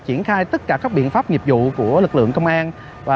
triển khai tất cả các biện pháp nghiệp vụ của lực lượng công an